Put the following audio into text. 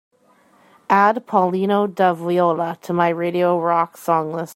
add paulinho da viola to my Radio Rock song list